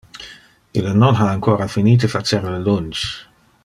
Ille non ha ancora finite facer le lunch.